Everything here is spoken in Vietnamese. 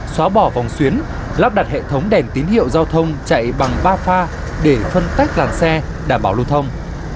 xóa bỏ vòng xuyến lắp đặt hệ thống đèn tín hiệu giao thông chạy bằng ba pha để phân tách làn xe đảm bảo lưu thông